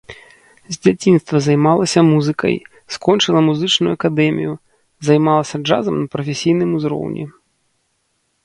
З дзяцінства займалася музыкай, скончыла музычную акадэмію, займалася джазам на прафесійным узроўні.